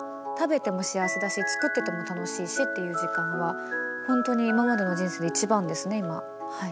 食べても幸せだし作ってても楽しいしっていう時間は、本当に今までの人生で一番ですね、今。